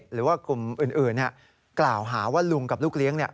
หรือว่ากลุ่มอื่นกล่าวหาว่าลุงกับลูกเลี้ยงเนี่ย